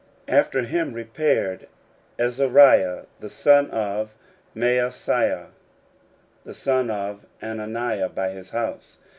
After him repaired Azariah the son of Maaseiah the son of Ananiah by his house.